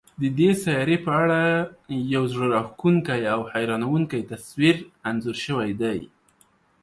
د دې سیارې په اړه یو زړه راښکونکی او حیرانوونکی تصویر انځور شوی دی.